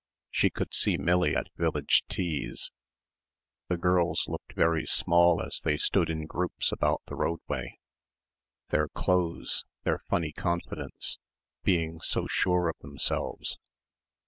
She could see Millie at village teas.... The girls looked very small as they stood in groups about the roadway.... Their clothes ... their funny confidence ... being so sure of themselves